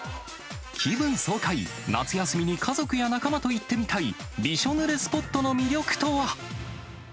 気分爽快、夏休みに家族や仲間と行ってみたい、びしょぬれスポットの魅力とは。